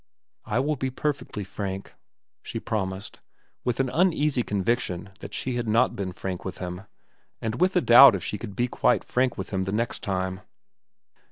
"I will be perfectly frank," she promised, with an uneasy conviction that she had not been frank with him and with a doubt if she could be quite frank with him the next time.